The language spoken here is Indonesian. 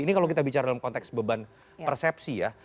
ini kalau kita bicara dalam konteks beban persepsi ya